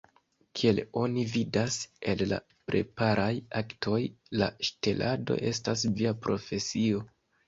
Kiel oni vidas el la preparaj aktoj, la ŝtelado estas via profesio!